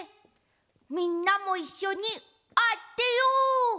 みんなもいっしょにあてよう！